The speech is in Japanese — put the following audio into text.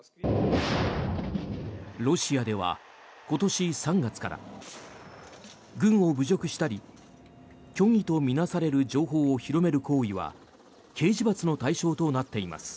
ロシアでは今年３月から軍を侮辱したり虚偽と見なされる情報を広める行為は刑事罰の対象となっています。